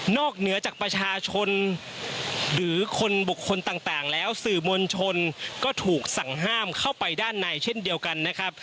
เหนือจากประชาชนหรือคนบุคคลต่างแล้วสื่อมวลชนก็ถูกสั่งห้ามเข้าไปด้านในเช่นเดียวกันนะครับ